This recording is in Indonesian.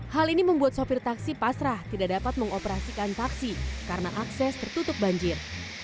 hal ini membuat sopir taksi pasrah tidak dapat mengoperasikan taksi karena akses tertutup banjir